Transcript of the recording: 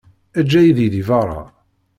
Eǧǧ aydi deg beṛṛa.